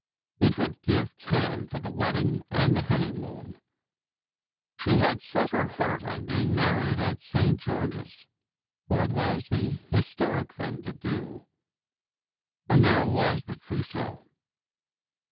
It would give time for the wedding and the honeymoon. She had set her heart on being married at St. George s, for it was the "historic" thing to do. And there was the trous seau.